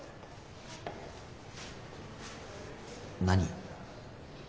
何？